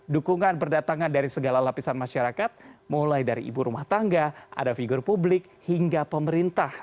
dukungan berdatangan dari segala lapisan masyarakat mulai dari ibu rumah tangga ada figur publik hingga pemerintah